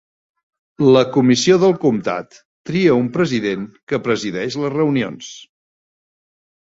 La comissió del comtat tria un president que presideix les reunions.